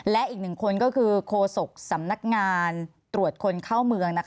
และอีกหนึ่งคนก็คือโคศกสำนักงานตรวจคนเข้าเมือง